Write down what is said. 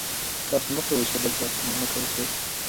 تاسو مه کوئ چې د بل چا حق په ناحقه وخورئ.